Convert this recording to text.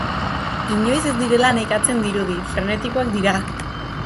Inoiz ez direla nekatzen dirudi, frentetikoak dira.